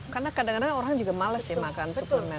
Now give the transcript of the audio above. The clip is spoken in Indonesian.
karena kadang kadang orang juga males ya makan suplemen